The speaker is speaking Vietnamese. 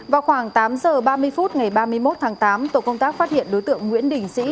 vào khoảng tám giờ ba mươi phút ngày ba mươi một tháng tám tổ công tác phát hiện đối tượng nguyễn đình sĩ